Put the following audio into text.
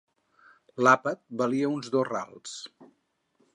L'àpat valia uns dos rals.